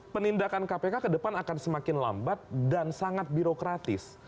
penindakan kpk ke depan akan semakin lambat dan sangat birokratis